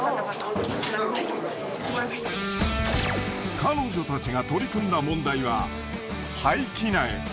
彼女たちが取り組んだ問題は廃棄苗。